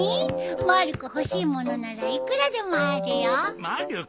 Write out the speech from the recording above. まる子欲しい物ならいくらでもあるよ！